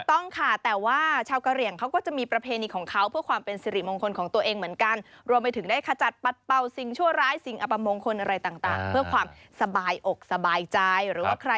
ถูกต้องค่ะแต่ว่าชาวกะเหลี่ยงเขาก็จะมีประเพณีของเขา